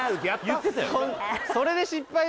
いってたよ